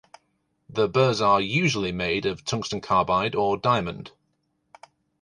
The burrs are usually made of tungsten carbide or diamond.